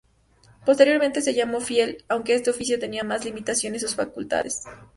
Posteriormente, se llamó "fiel", aunque este oficio tenía más limitadas sus facultades.